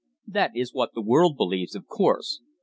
"That is what the world believes, of course.